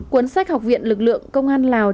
cuốn sách học viện lực lượng công an lào